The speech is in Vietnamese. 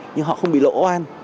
nhưng họ không bị lỗ an